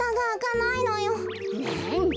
なんだ。